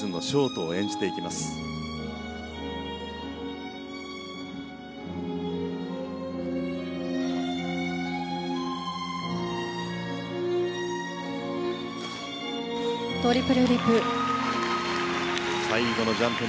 トリプルループ。